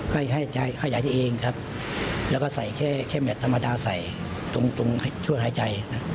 ให้ขยายที่เองครับแล้วก็ใส่แค่แมทธรรมดาใส่ตรงช่วยหายใจ